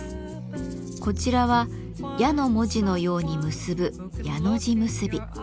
こちらは「矢」の文字のように結ぶ「やの字結び」。